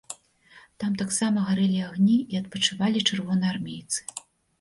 Там таксама гарэлі агні і адпачывалі чырвонаармейцы.